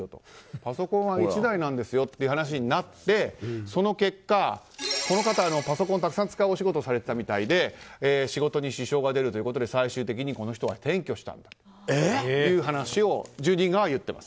パソコンは１台までですよという話になって、その結果この方はパソコンをたくさん使うお仕事をされていたみたいで仕事に支障が出るということで最終的にこの人は転居したという話を住人側は言っています。